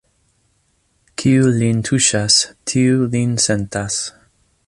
Kiu lin tuŝas, tiu lin sentas.